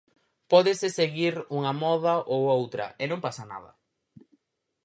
Pódese seguir unha moda ou outra e non pasa nada.